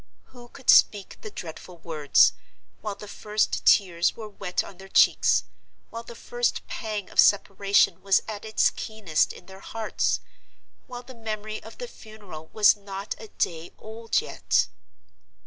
Who could speak the dreadful words, while the first tears were wet on their cheeks, while the first pang of separation was at its keenest in their hearts, while the memory of the funeral was not a day old yet?